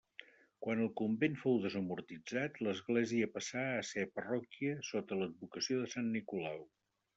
Quan el convent fou desamortitzat, l'església passà a ésser parròquia sota l'advocació de Sant Nicolau.